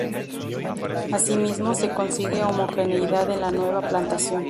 Asimismo, se consigue homogeneidad en la nueva plantación.